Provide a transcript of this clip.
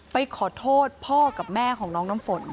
ไปขอโทษพ่อกับแม่ของน้องน้ำฝน